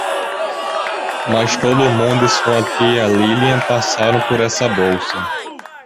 Mas todo mundo e sua tia Lilian passaram por essa bolsa.